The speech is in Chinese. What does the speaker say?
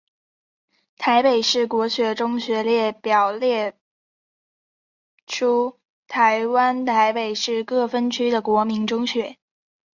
台北市国民中学列表表列出台湾台北市各分区的国民中学。